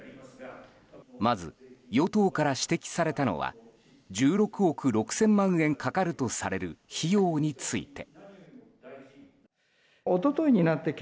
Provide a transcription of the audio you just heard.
まず与党から指摘されたのは１６億６０００万円かかるとされる費用について。